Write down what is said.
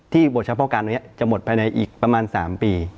บทเฉพาะการนี้จะหมดภายในอีกประมาณ๓ปี